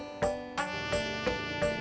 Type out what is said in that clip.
tidak ada yang bisa diberikan